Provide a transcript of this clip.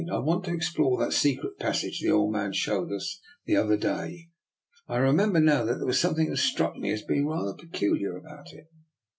I want to ex plore that secret passage the old man showed us the other day. I remember now that there was something that struck me as being rather peculiar about it."